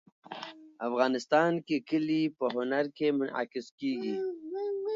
افغانستان کې کلي په هنر کې منعکس کېږي.